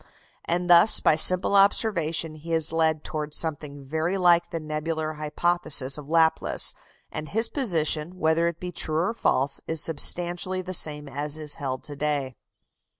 And thus, by simple observation, he is led towards something very like the nebular hypothesis of Laplace; and his position, whether it be true or false, is substantially the same as is held to day.